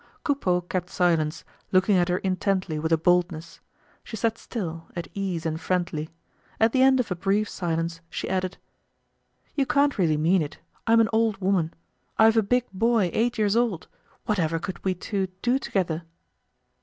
Coupeau kept silence, looking at her intently with a boldness. She sat still, at ease and friendly. At the end of a brief silence she added: "You can't really mean it. I'm an old woman; I've a big boy eight years old. Whatever could we two do together?"